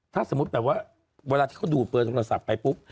ถ้าสมมุติแต่ว่าเวลาที่เขาดูเปลือกสัปดาห์ไปปุ๊บ